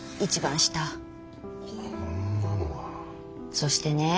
そしてね